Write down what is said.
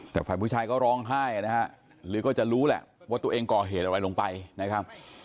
แต่ฝ่ายผู้ชายก็ร้องไห้นะฮะหรือก็จะรู้แหละว่าตัวเองก่อเหตุอะไรลงไปนะครับ